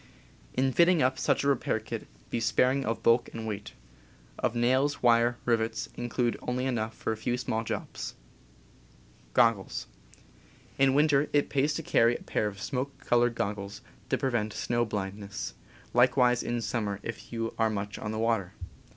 In fitting up such a repair kit, be sparing of bulk and weight. Of nails, wire, rivets, include only enough for a few small jobs. In winter it pays to carry a pair of smoke colored goggles, to prevent snow blindness — likewise in sum mer if you are much on the water.